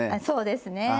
そうですね。